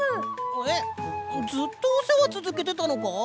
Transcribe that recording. えっずっとおせわつづけてたのか？